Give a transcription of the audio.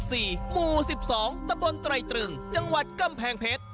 เล็กที่๑๔หมู่๑๒ตะบนตรายตรึงจังหวัดกำแพงเพชร